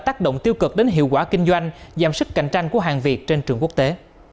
tác động tiêu cực đến hiệu quả kinh doanh giảm sức cạnh tranh của hàng việt trên trường quốc tế